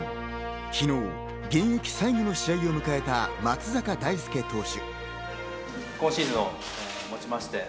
昨日、現役最後の試合を迎えた松坂大輔投手。